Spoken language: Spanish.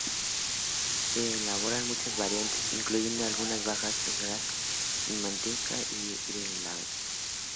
Se elaboran muchas variantes, incluyendo algunas bajas en grasa, sin manteca y de helado.